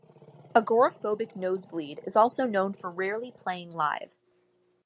Agoraphobic Nosebleed is also known for rarely playing live.